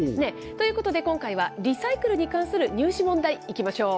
ということで今回は、リサイクルに関する入試問題、いきましょう。